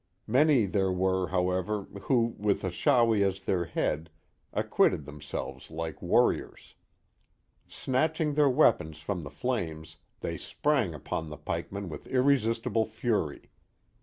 Many there were, however, who, with Achawi at their head, acquit ted themselves like warriors. Snatching their weapons from the flames, they sprang upon the pikemen with irresistible fury.